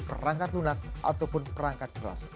perangkat lunak ataupun perangkat keras